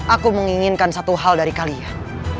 aku menginginkan satu hal dari kalian